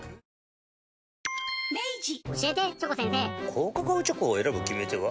高カカオチョコを選ぶ決め手は？